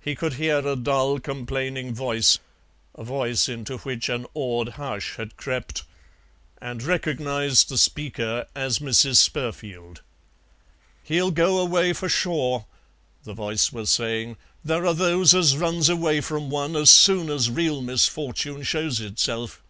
He could hear a dull, complaining voice, a voice into which an awed hush had crept, and recognized the speaker as Mrs. Spurfield. "He'll go away, for sure," the voice was saying; "there are those as runs away from one as soon as real misfortune shows itself."